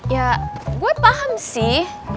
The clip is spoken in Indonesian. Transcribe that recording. ya gue paham sih